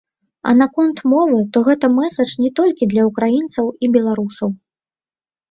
А наконт мовы, то гэты мэсадж не толькі для ўкраінцаў і беларусаў!